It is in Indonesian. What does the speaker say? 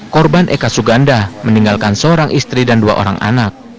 korban eka suganda meninggalkan seorang istri dan dua orang anak